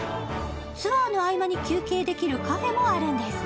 ツアーの合間に休憩できるカフェもあるんです。